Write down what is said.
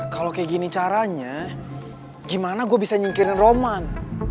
kalau kayak gini caranya gimana gue bisa nyingkirin roman